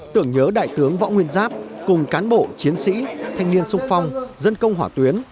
tưởng nhớ đại tướng võ nguyên giáp cùng cán bộ chiến sĩ thanh niên sung phong dân công hỏa tuyến